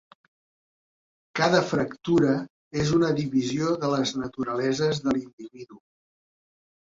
Cada fractura és una divisió de les naturaleses de l'individu.